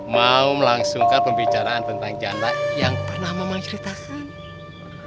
mau melangsungkan pembicaraan tentang janda yang pernah mama ceritakan